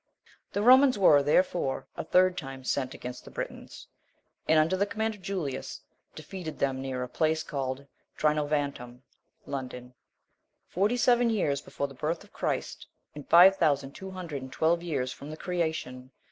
The Romans were, therefore, a third time sent against the Britons; and under the command of Julius, defeated them near a place called Trinovantum (London), forty seven years before the birth of Christ, and five thousand two hundred and twelve years from the creation.